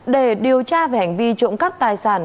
để điều tra về hành vi trộm cắp tài sản